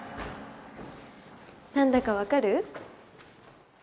何だか分かる？